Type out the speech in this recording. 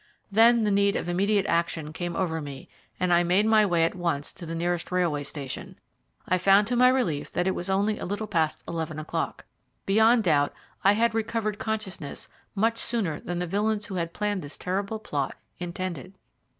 Then the need of immediate action came over me, and I made my way at once to the nearest railway station. I found to my relief that it was only a little past eleven o'clock. Beyond doubt, I had recovered consciousness much sooner than the villains who had planned this terrible plot intended.